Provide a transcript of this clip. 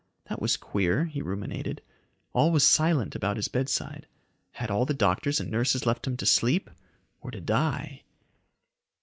That was queer, he ruminated. All was silent about his bedside. Had all the doctors and nurses left him to sleep or to die?